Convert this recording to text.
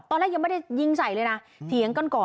ตอนแรกยังไม่ได้ยิงใส่นะคะ